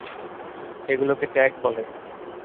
এগুলোকে ট্যাগ বলে।